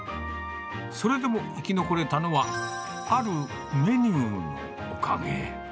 それでも生き残れたのは、あるメニューのおかげ。